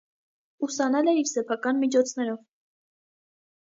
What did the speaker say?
Ուսանել է իր սեփական միջոցներով։